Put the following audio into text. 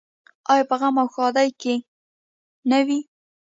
آیا په غم او ښادۍ کې نه وي؟